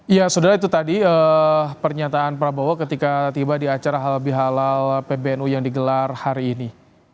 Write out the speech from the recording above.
ya sudah itu tadi pernyataan prabowo ketika tiba di acara halal bihalal pbnu yang digelar hari ini